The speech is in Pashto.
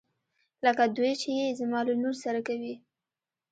لکه دوی چې يې زما له لور سره کوي.